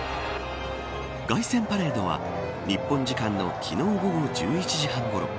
凱旋パレードは日本時間の昨日午後１１時半ごろ。